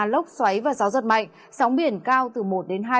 lốc xoáy và gió giật mạnh sóng biển cao từ một đến hai m